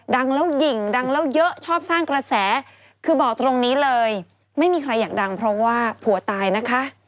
ดังแล้วหญิงดังแล้วเยอะชอบสร้างกระแสคือบอกตรงนี้เลยไม่มีใครอยากดังเพราะว่าผัวตายนะคะ